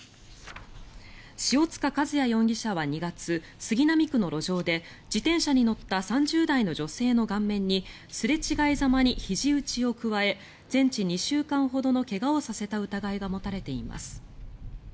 塩塚和也容疑者は２月杉並区の路上で自転車に乗った３０代の女性の顔面にすれ違いざまにひじ打ちを加え全治２週間ほどの怪我をさせた疑いが持たれています。